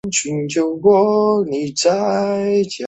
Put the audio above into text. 白花风筝果为金虎尾科风筝果属下的一个种。